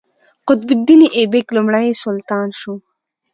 قطب الدین ایبک لومړی سلطان شو.